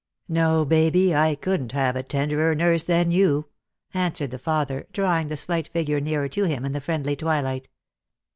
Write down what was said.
"No, Baby, I couldn't have a tenderer nurse than you," answered the father, drawing^the slight figure nearer to him in the friendly twilight.